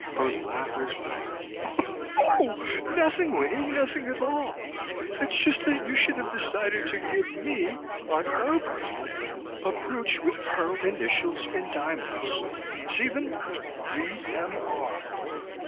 Her laugh was wild. "Oh, nothing, Winnie. Nothing at all. It's just that you should have decided to give me on her birthday a brooch with her initials in diamonds. See them! V.M.R."